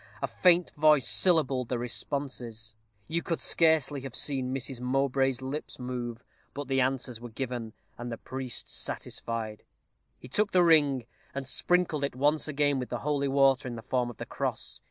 A faint voice syllabled the responses. You could scarcely have seen Miss Mowbray's lips move. But the answers were given, and the priest was satisfied. He took the ring, and sprinkled it once again with the holy water, in the form of the cross.